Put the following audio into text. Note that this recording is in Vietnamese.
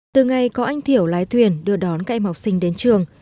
từ ngày có anh thiểu lái thuyền đưa đón các em học sinh đến trường